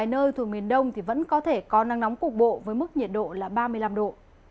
nơi thuộc miền đông thì vẫn có thể có nắng nóng cục bộ với mức nhiệt độ là ba mươi năm độ